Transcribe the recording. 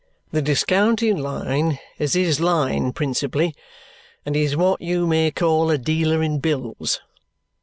The discounting line is his line principally, and he's what you may call a dealer in bills.